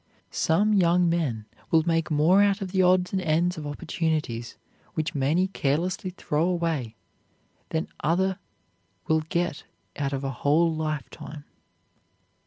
Some young men will make more out of the odds and ends of opportunities which many carelessly throw away than other will get out of a whole life time.